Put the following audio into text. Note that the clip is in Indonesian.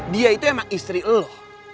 dia itu emang istri eluh